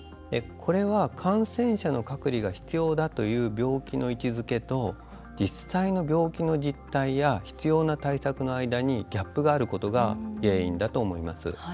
これは感染者の隔離が必要だという病気の位置づけと、実際の病気の実態や必要な対策の間にギャップがあることが原因だと思います。